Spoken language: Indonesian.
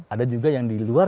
ada juga yang di luar